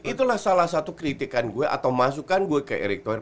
itulah salah satu kritikan gue atau masukan gue ke erick thohir